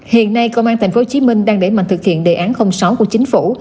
hiện nay công an tp hcm đang đẩy mạnh thực hiện đề án sáu của chính phủ